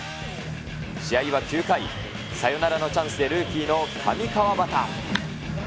試合は９回、サヨナラのチャンスでルーキーの上川畑。